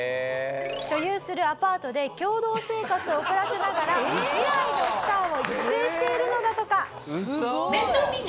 所有するアパートで共同生活を送らせながら未来のスターを育成しているのだとか。